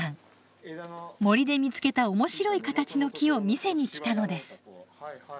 森で見つけた面白い形の木を見せに来たのです。